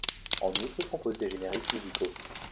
En outre, il compose des génériques musicaux.